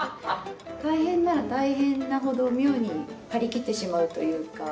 大変なら大変なほど妙に張り切ってしまうというか。